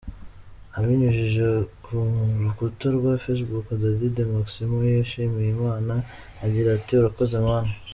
Abinyujije ku rukuta rwa facebook Dady de Maximo yashimiye Imana agira ati ”Urakoze Mana”.